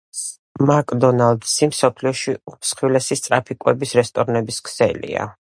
მაკდონალდსი მსოფლიოში უმსხვილესი სწრაფი კვების რესტორნების ქსელია